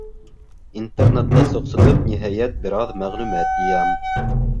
Интернетта соҡсоноп, ниһайәт, бер аҙ мәғлүмәт йыям.